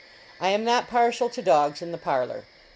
I am not partial to dogs in the parlor.